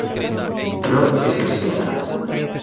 Robb es cristiana.